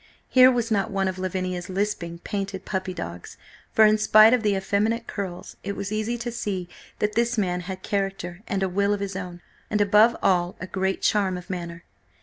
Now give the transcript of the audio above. Here was not one of Lavinia's lisping, painted puppy dogs, for in spite of the effeminate curls, it was easy to see that this man had character and a will of his own, and, above all, a great charm of manner.